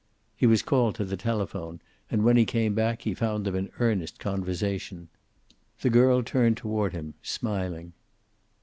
He was called to the telephone, and when he came back he found them in earnest conversation. The girl turned toward him smiling.